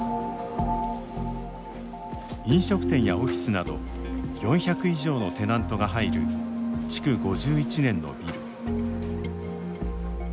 飲食店やオフィスなど４００以上のテナントが入る築５１年のビル。